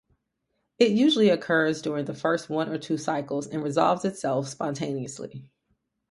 It usually occurs during the first one or two cycles and resolves itself spontaneously.